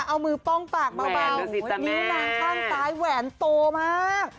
เอามือป้องปากเบานิ้วนางข้างซ้ายแหวนโตมาก